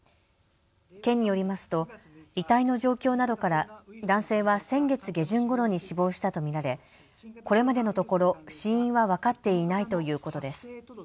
県によりますと遺体の状況などから男性は先月下旬ごろに死亡したと見られこれまでのところ、死因は分かっていないということです。